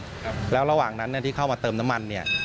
ครับแล้วระหว่างนั้นเนี้ยที่เข้ามาเติมน้ำมันเนี้ย